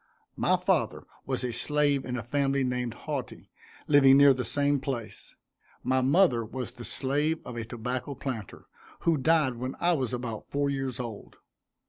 My father was a slave in a family named Hauty, living near the same place. My mother was the slave of a tobacco planter, who died when I was about four years old.